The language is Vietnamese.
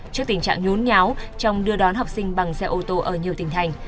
trước tình trạng nhún nháo trong đưa đón học sinh bằng xe ô tô ở nhiều tỉnh thành